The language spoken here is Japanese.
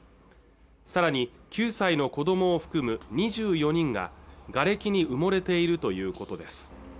さらに９歳の子どもを含む２４人ががれきに埋もれているということです